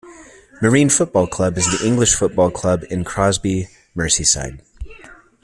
Marine Football Club is an English football club in Crosby, Merseyside.